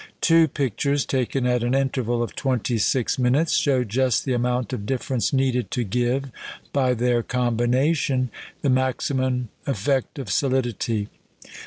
Two pictures, taken at an interval of twenty six minutes, show just the amount of difference needed to give, by their combination, the maximum effect of solidity.